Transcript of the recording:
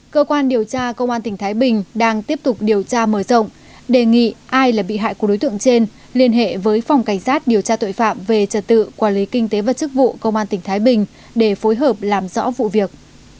cơ quan điều tra công an tỉnh thái bình đang tiếp tục điều tra mở rộng đề nghị ai là bị hại của đối tượng trên liên hệ với phòng cảnh sát điều tra tội phạm về trật tự quản lý kinh tế và chức vụ công an tỉnh thái bình để phối hợp làm rõ vụ việc